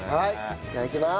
いただきます。